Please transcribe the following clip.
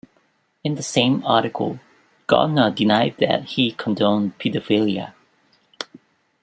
In the same article, Gardner denied that he condoned pedophilia.